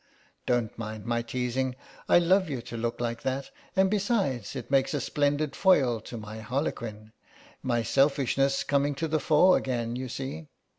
Don't mind my teasing; I love you to look like that, and besides, it makes a splendid foil to my Harlequin—my selfishness coming to the fore again, you see.